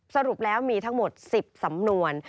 สรุปแล้วมีทั้งหมด๑๐สำนวน